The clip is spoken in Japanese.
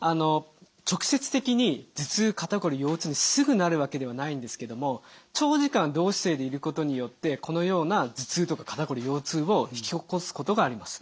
直接的に頭痛肩こり腰痛にすぐなるわけではないんですけども長時間同姿勢でいることによってこのような頭痛とか肩こり腰痛を引き起こすことがあります。